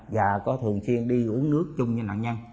và có thường xuyên đi uống nước chung với nạn nhân